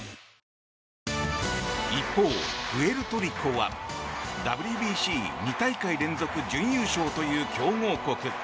一方、プエルトリコはＷＢＣ２大会連続準優勝という強豪国。